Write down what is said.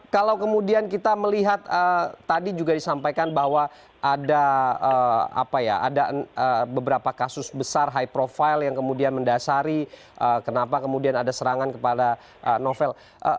kalau kemudian kita melihat tadi juga disampaikan bahwa ada beberapa kasus besar high profile yang kemudian mendasari kenapa kemudian ada serangan kepada novel